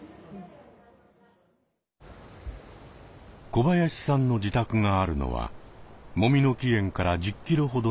小林さんの自宅があるのはもみの木苑から１０キロほどの場所。